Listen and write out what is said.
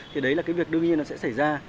thì đấy là cái việc đương nhiên nó sẽ xảy ra